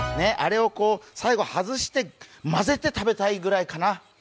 あれを最後外してまぜて食べたいくらいかな。